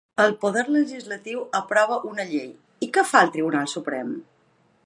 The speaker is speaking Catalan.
El poder legislatiu aprova una llei i què fa el Tribunal Suprem?